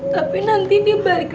tapi nanti dibalik lagi gak mams